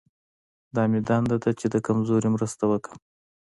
دا مې دنده ده چې د کمزوري مرسته وکړم.